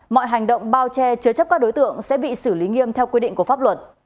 mọi hành động bao che chứa chấp các đối tượng sẽ bị xử lý nghiêm theo quy định của pháp luật